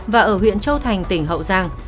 và ở huyện châu thành tỉnh hậu giang